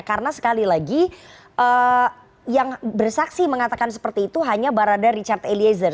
karena sekali lagi yang bersaksi mengatakan seperti itu hanya berada richard eliezer